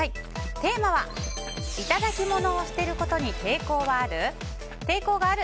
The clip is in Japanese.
テーマはいただきものを捨てることに抵抗がある？